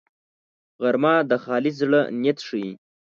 غرمه د خالص زړه نیت ښيي